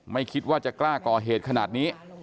ไม่คิดว่าจะกล้าก่อเหตุขนาดนี้